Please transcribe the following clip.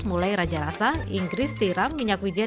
mulai raja rasa inggris tiram minyak wijen